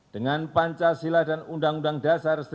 dengan pancasila dan undang undang dasar seribu sembilan ratus empat puluh